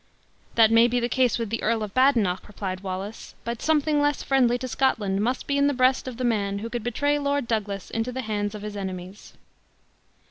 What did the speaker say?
"That may be the case with the Earl of Badenoch," replied Wallace, "but something less friendly to Scotland must be in the breast of the man who could betray Lord Douglas into the hands of his enemies."